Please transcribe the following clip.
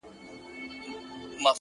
خاموش پرمختګ تر ښکاره خبرو قوي دی,